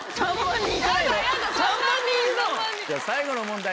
最後の問題